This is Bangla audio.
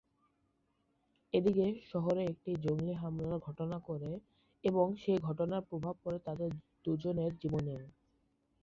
এদিকে শহরে একটি জঙ্গি হামলার ঘটনা করে এবং সেই ঘটনার প্রভাব পড়ে তাদের দু’জনের জীবনেও।